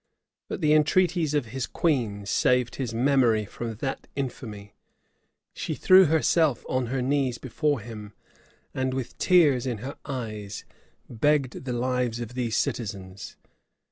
[*] But the entreaties of his queen saved his memory from that infamy: she threw herself on her knees before him, and with tears in her eyes begged the lives of these citizens.